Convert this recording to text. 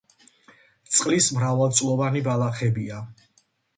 წყლის მრავალწლოვანი ბალახებია.